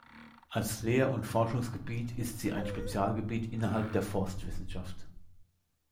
Als Lehr- und Forschungsgebiet ist sie ein Spezialgebiet innerhalb der Forstwissenschaft.